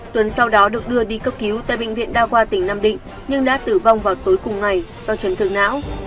tuấn sau đó được đưa đi cấp cứu tại bệnh viện đa khoa tỉnh nam định nhưng đã tử vong vào tối cùng ngày do chấn thương não